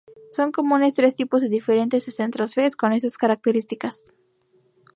Son comunes tres tipos diferentes de centros Fe-S con estas características.